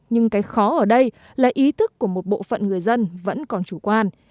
nhưng cái khó ở đây là ý thức của một bộ phận người dân vẫn còn chủ quan